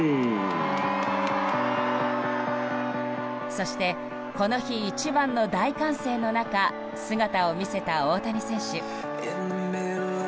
そしてこの日一番の大歓声の中姿を見せた大谷選手。